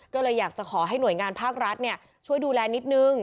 ก็เลยอยากจะขอให้หน่วยงานภาครัฐช่วยดูแลนิดนึง